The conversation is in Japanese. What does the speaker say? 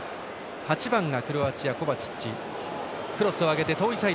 ８番がクロアチアコバチッチ。